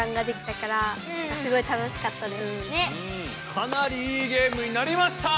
かなりいいゲームになりました！